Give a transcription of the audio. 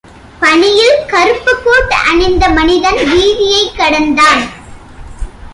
பனியில் கருப்பு கோட் அணிந்த மனிதன் வீதியைக் கடந்தான்.